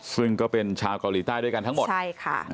ซึ่งก็เป็นชาวเกาหลีใต้ด้วยกันทั้งหมดใช่ค่ะ